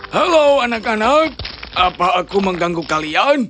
halo anak anak apa aku mengganggu kalian